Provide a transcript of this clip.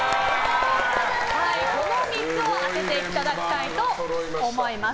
この３つを当てていただきたいと思います。